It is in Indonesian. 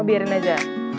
oh biarin aja